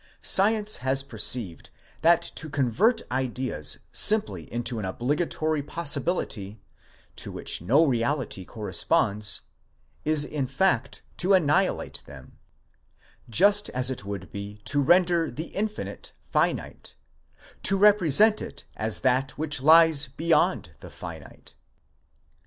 Science has perceived that to convert ideas 'simply into an obligatory possibility, to which no reality corresponds, is in fact to annihilate them; just as it would be to render the infinite finite, to represent it as that which lies beyond the finite.